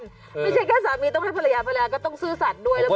ไม่ใช่แค่สามีต้องให้ภรรยาภรรยาก็ต้องซื่อสัตว์ด้วย